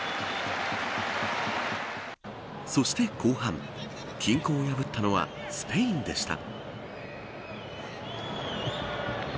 そして後半均衡を破ったのはスペインでした。